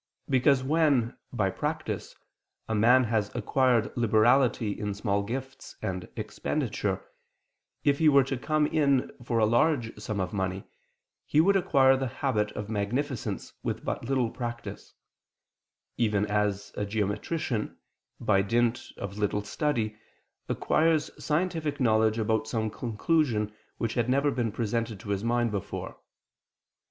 Because when, by practice, a man has acquired liberality in small gifts and expenditure, if he were to come in for a large sum of money, he would acquire the habit of magnificence with but little practice: even as a geometrician, by dint of little study, acquires scientific knowledge about some conclusion which had never been presented to his mind before.